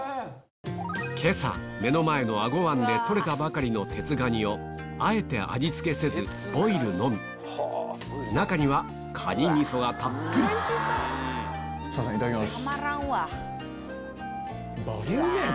今朝目の前の英虞湾でとれたばかりのテツガニをあえて味付けせずボイルのみ中にはカニみそがたっぷりすいませんいただきます。